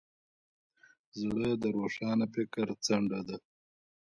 زړه د روښان فکر څنډه ده.